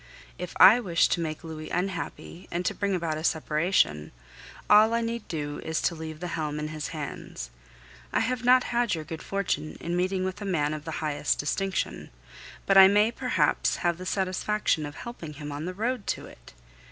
If I wished to make Louis unhappy and to bring about a separation, all I need do is to leave the helm in his hands. I have not had your good fortune in meeting with a man of the highest distinction, but I may perhaps have the satisfaction of helping him on the road to it.